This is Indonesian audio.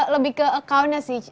lebih ke accountnya sih